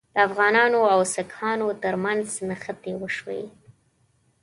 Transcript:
د افغانانو او سیکهانو ترمنځ نښتې وشوې.